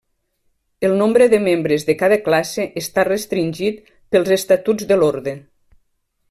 El nombre de membres de cada classe està restringit pels estatuts de l'orde.